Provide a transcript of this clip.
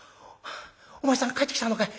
「お前さん帰ってきたのかい。